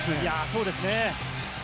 そうですね。